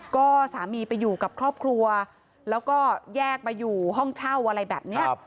ก็สามีไปอยู่กับครอบครัวแล้วก็แยกมาอยู่ห้องเช่าอะไรแบบนี้